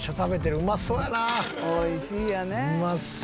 うまそう！